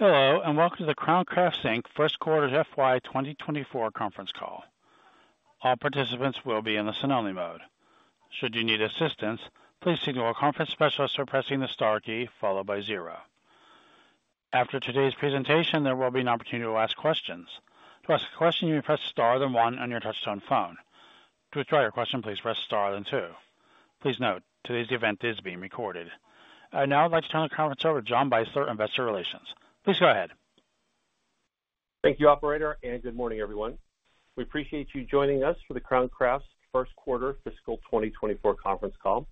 Hello, and welcome to The Crown Crafts, Inc First Quarter FY 2024 conference call. All participants will be in the listen-only mode. Should you need assistance, please signal a conference specialist by pressing the star key followed by zero. After today's presentation, there will be an opportunity to ask questions. To ask a question, you may press star, then one on your touchtone phone. To withdraw your question, please press star, then two. Please note, today's event is being recorded. I'd now like to turn the conference over to John Beisler, Investor Relations. Please go ahead. Thank you, operator, and good morning, everyone. We appreciate you joining us for the Crown Crafts first quarter fiscal 2024 conference call.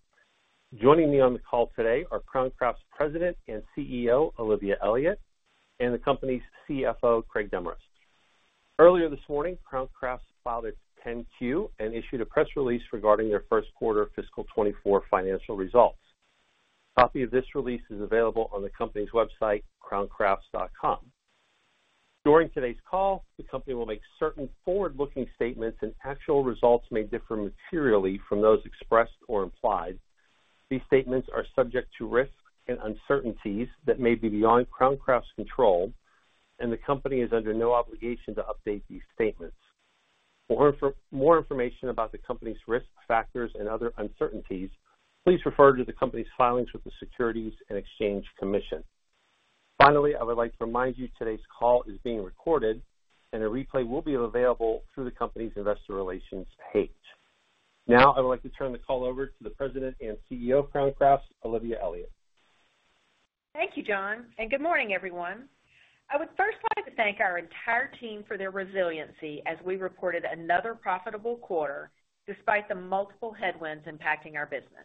Joining me on the call today are Crown Crafts President and CEO, Olivia Elliott, and the company's CFO, Craig Demarest. Earlier this morning, Crown Crafts filed its 10-Q and issued a press release regarding their first quarter fiscal 2024 financial results. A copy of this release is available on the company's website, crowncrafts.com. During today's call, the company will make certain forward-looking statements and actual results may differ materially from those expressed or implied. These statements are subject to risks and uncertainties that may be beyond Crown Crafts' control, and the company is under no obligation to update these statements. For more information about the company's risk factors and other uncertainties, please refer to the company's filings with the Securities and Exchange Commission. Finally, I would like to remind you today's call is being recorded, and a replay will be available through the company's investor relations page. Now, I would like to turn the call over to the President and CEO of Crown Crafts, Olivia Elliott. Thank you, John, and good morning, everyone. I would first like to thank our entire team for their resiliency as we reported another profitable quarter despite the multiple headwinds impacting our business.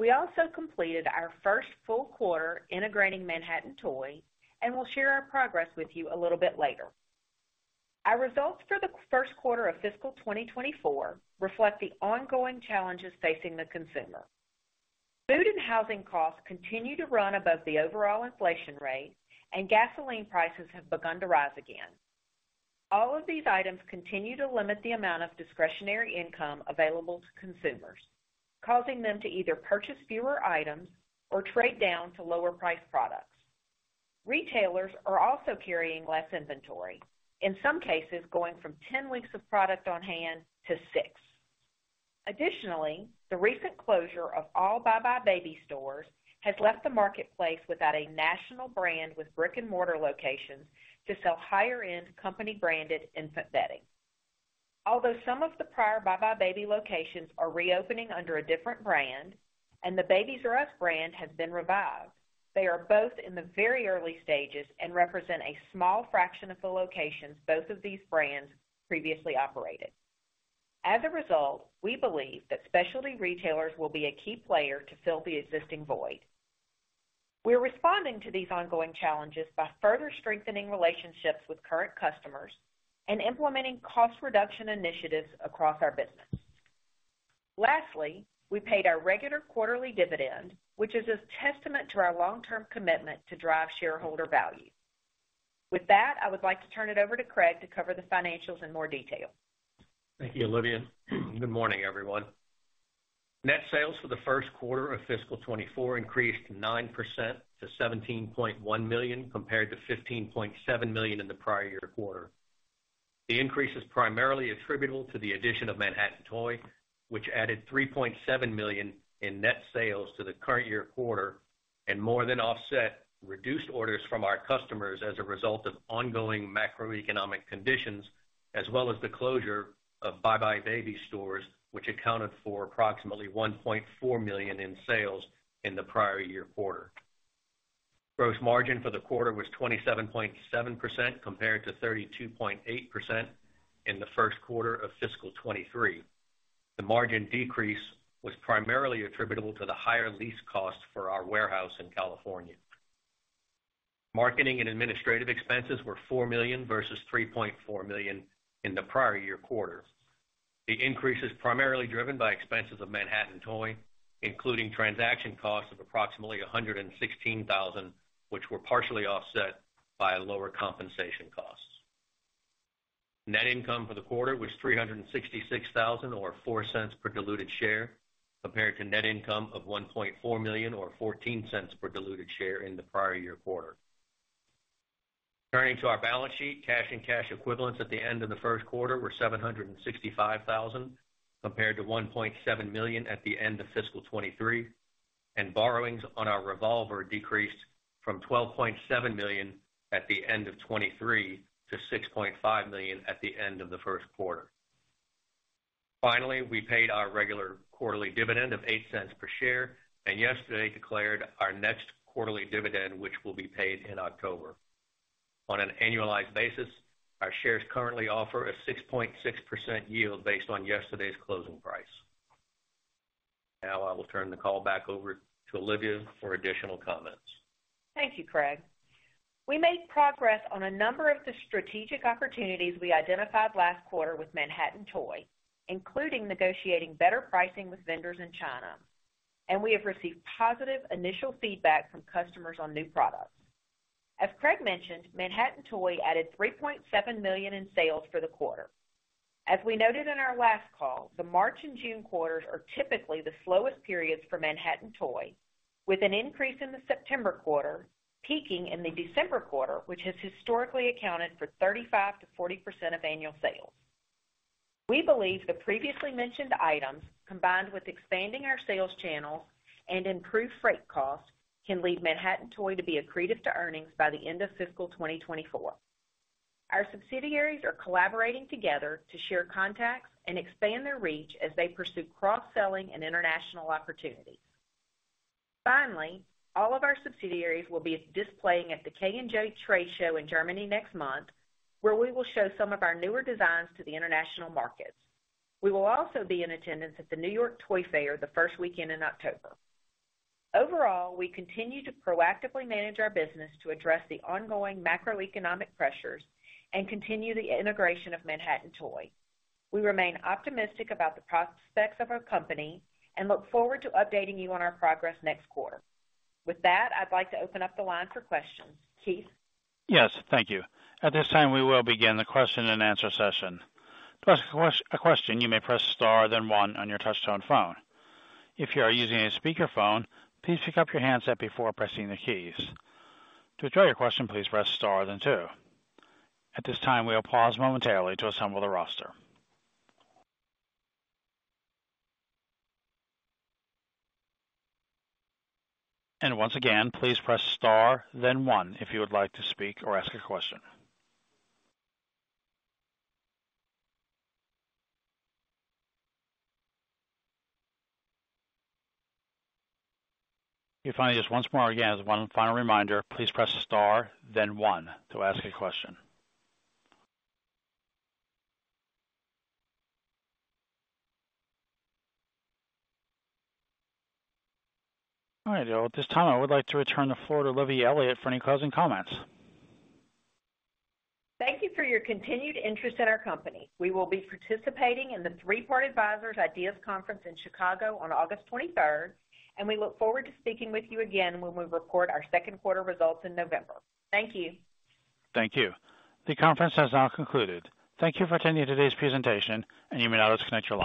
We also completed our first full quarter integrating Manhattan Toy, and we'll share our progress with you a little bit later. Our results for the first quarter of fiscal 2024 reflect the ongoing challenges facing the consumer. Food and housing costs continue to run above the overall inflation rate, and gasoline prices have begun to rise again. All of these items continue to limit the amount of discretionary income available to consumers, causing them to either purchase fewer items or trade down to lower priced products. Retailers are also carrying less inventory, in some cases, going from 10 weeks of product on hand to six. Additionally, the recent closure of all buybuy BABY stores has left the marketplace without a national brand with brick-and-mortar locations to sell higher-end, company-branded infant bedding. Although some of the prior buybuy BABY locations are reopening under a different brand and the Babies"R"Us brand has been revived, they are both in the very early stages and represent a small fraction of the locations both of these brands previously operated. As a result, we believe that specialty retailers will be a key player to fill the existing void. We're responding to these ongoing challenges by further strengthening relationships with current customers and implementing cost reduction initiatives across our business. Lastly, we paid our regular quarterly dividend, which is a testament to our long-term commitment to drive shareholder value. With that, I would like to turn it over to Craig to cover the financials in more detail. Thank you, Olivia. Good morning, everyone. Net sales for the first quarter of fiscal 2024 increased 9% to $17.1 million, compared to $15.7 million in the prior year quarter. The increase is primarily attributable to the addition of Manhattan Toy, which added $3.7 million in net sales to the current year quarter and more than offset reduced orders from our customers as a result of ongoing macroeconomic conditions, as well as the closure of buybuy BABY stores, which accounted for approximately $1.4 million in sales in the prior year quarter. Gross margin for the quarter was 27.7%, compared to 32.8% in the first quarter of fiscal 2023. The margin decrease was primarily attributable to the higher lease costs for our warehouse in California. Marketing and administrative expenses were $4 million versus $3.4 million in the prior year quarter. The increase is primarily driven by expenses of Manhattan Toy, including transaction costs of approximately $116,000, which were partially offset by lower compensation costs. Net income for the quarter was $366,000, or $0.04 per diluted share, compared to net income of $1.4 million, or $0.14 per diluted share in the prior year quarter. Turning to our balance sheet, cash and cash equivalents at the end of the first quarter were $765,000, compared to $1.7 million at the end of fiscal 2023. Borrowings on our revolver decreased from $12.7 million at the end of 2023 to $6.5 million at the end of the first quarter. We paid our regular quarterly dividend of $0.08 per share, and yesterday declared our next quarterly dividend, which will be paid in October. On an annualized basis, our shares currently offer a 6.6% yield based on yesterday's closing price. I will turn the call back over to Olivia for additional comments. Thank you, Craig. We made progress on a number of the strategic opportunities we identified last quarter with Manhattan Toy, including negotiating better pricing with vendors in China. We have received positive initial feedback from customers on new products. As Craig mentioned, Manhattan Toy added $3.7 million in sales for the quarter. As we noted in our last call, the March and June quarters are typically the slowest periods for Manhattan Toy, with an increase in the September quarter, peaking in the December quarter, which has historically accounted for 35%-40% of annual sales. We believe the previously mentioned items, combined with expanding our sales channels and improved freight costs, can lead Manhattan Toy to be accretive to earnings by the end of FY 2024. Our subsidiaries are collaborating together to share contacts and expand their reach as they pursue cross-selling and international opportunities. Finally, all of our subsidiaries will be displaying at the Kind + Jugend in Germany next month, where we will show some of our newer designs to the international markets. We will also be in attendance at the New York Toy Fair the first weekend in October. Overall, we continue to proactively manage our business to address the ongoing macroeconomic pressures and continue the integration of Manhattan Toy. We remain optimistic about the prospects of our company and look forward to updating you on our progress next quarter. With that, I'd like to open up the line for questions. Keith? Yes, thank you. At this time, we will begin the question-and-answer session. To ask a question, you may press star, then one on your touchtone phone. If you are using a speakerphone, please pick up your handset before pressing the keys. To withdraw your question, please press star, then two. At this time, we'll pause momentarily to assemble the roster. Once again, please press star, then one if you would like to speak or ask a question. If I just once more, again, as one final reminder, please press star then one to ask a question. All right, at this time, I would like to return the floor to Olivia Elliott for any closing comments. Thank you for your continued interest in our company. We will be participating in the Three Part Advisors IDEAS Conference in Chicago on August 23rd, and we look forward to speaking with you again when we report our second quarter results in November. Thank you. Thank you. The conference has now concluded. Thank you for attending today's presentation, and you may now disconnect your line.